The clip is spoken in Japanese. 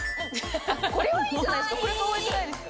これはいいじゃないですか。